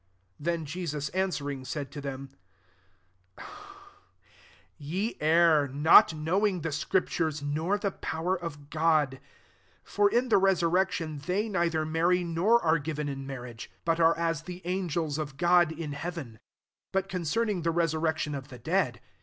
29 Then Jesus an wering, said to them, " Ye err, lot knowing the scriptures, nor he power of God. 30 For in he resuiTection, they neither Qarry, nor are given in mar riage i but are at the oigik [of God,] in heaven. 31 << But concerning the re surrection of the dead.